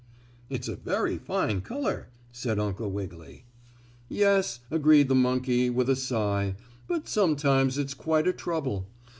"It's a very fine color," said Uncle Wiggily. "Yes," agreed the monkey with a sigh "but sometimes it's quite a trouble.